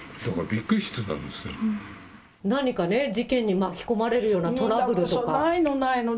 何かね、事件に巻き込まれるようなトラブルとか。